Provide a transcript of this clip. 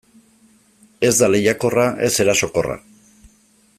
Ez da lehiakorra, ez erasokorra.